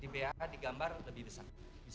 di ba nya di gambar lebih besar